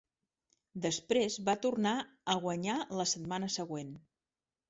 Després va tornar a guanyar la setmana següent.